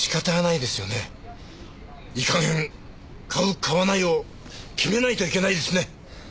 いい加減買う買わないを決めないといけないですね！